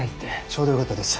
ちょうどよかったです。